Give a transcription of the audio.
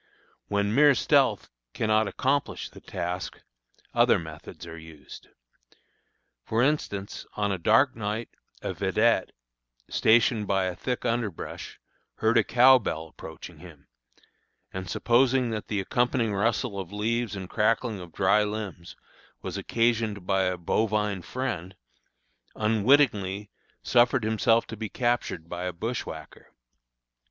When mere stealth cannot accomplish the task, other methods are used. For instance, on a dark night, a vedette, stationed by a thick underbrush, heard a cow bell approaching him, and supposing that the accompanying rustle of leaves and crackling of dry limbs was occasioned by a bovine friend, unwittingly suffered himself to be captured by a bushwhacker.